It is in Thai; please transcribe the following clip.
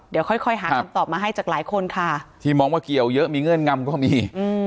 เดี๋ยวค่อยหาคำตอบมาให้จากหลายคนค่ะที่มองว่าเกี่ยวเยอะมีเงื่อนงำก็มี